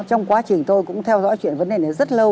trong quá trình tôi cũng theo dõi chuyện vấn đề này rất lâu